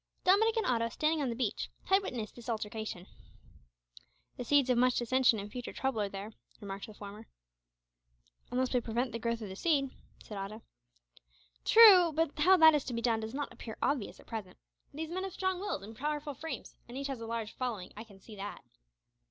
Dominick and Otto, standing on the beach, had witnessed this altercation. "The seeds of much dissension and future trouble are there," remarked the former. "Unless we prevent the growth of the seed," said Otto. "True, but how that is to be done does not appear obvious at present. These men have strong wills and powerful frames, and each has a large following, I can see that.